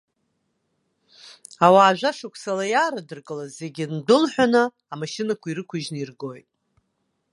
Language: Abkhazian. Ауаа жәашықәсала иааидыркылаз зегьы ндәылҳәаны амашьынақәа ирықәыжьны иргоит.